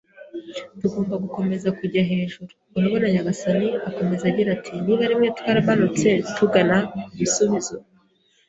“Tugomba gukomeza kujya hejuru. Urabona, nyagasani, "akomeza agira ati:" niba rimwe twaramanutse tugana ku gisubizo